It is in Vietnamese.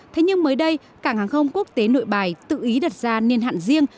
thế nhưng mới đây cảng hàng không quốc tế nội bài tự ý đặt ra niên hạn riêng